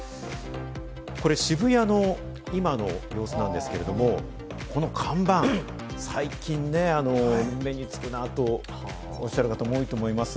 これ、渋谷の今の様子なんですけれども、この看板、最近、目につくなとおっしゃる方も多いと思います。